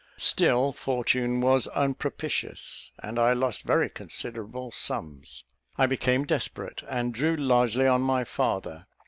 Still fortune was unpropitious, and I lost very considerable sums. I became desperate; and drew largely on my father.